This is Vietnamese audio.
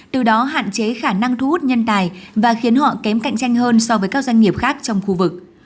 từ đó hạn chế khả năng thu hút nhân tài và khiến họ kém cạnh tranh hơn so với các doanh nghiệp khác trong khu vực